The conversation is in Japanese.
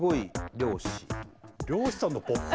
漁師さんのポップ？